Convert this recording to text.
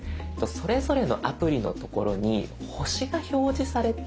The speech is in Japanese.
それぞれのアプリのところに星が表示されているので。